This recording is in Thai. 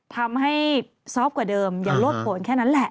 ทำให้ซอฟต์กว่าเดิมอย่าโลดผลแค่นั้นแหละ